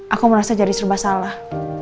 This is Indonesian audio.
aku merasa jadi serba salah